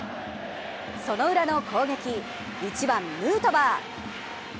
そのウラの攻撃、１番・ヌートバー。